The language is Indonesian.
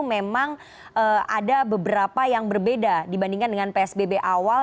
memang ada beberapa yang berbeda dibandingkan dengan psbb awal